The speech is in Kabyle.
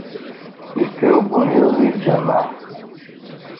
yekker ubunyiḍ di lǧamaɛ.